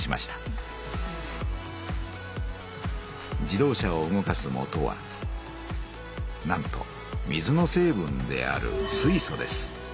自動車を動かすもとはなんと水の成分である水素です。